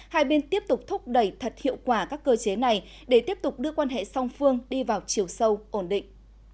hai bên tiếp tục thúc đẩy thật hiệu quả các cơ chế này để tiếp tục đưa quan hệ song phương đi vào chiều sâu ổn định